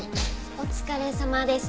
お疲れさまです。